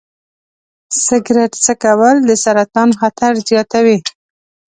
سګرټ څکول د سرطان خطر زیاتوي.